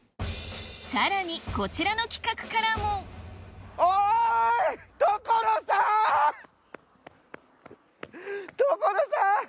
さらにこちらの企画からも所さん！